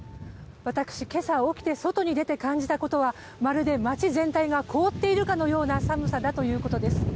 私、今朝起きて外に出て感じたことはまるで街全体が凍っているかのような寒さだということです。